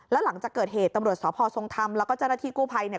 แล้วหลังจากเกิดเหตุตำรวจสพทรงธรรมแล้วก็เจ้าหน้าที่กู้ภัยเนี่ย